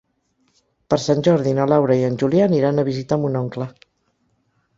Per Sant Jordi na Laura i en Julià aniran a visitar mon oncle.